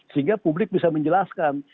sehingga publik bisa menjelaskan